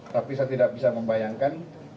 tapi saya tidak bisa membayangkan